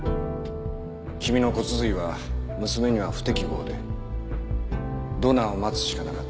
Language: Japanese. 君の骨髄は娘には不適合でドナーを待つしかなかった。